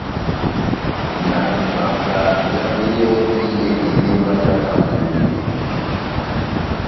Na ibambwa njambwɛ yɛ́hɛ́pi ediyidi evaniyaka mʼpungú.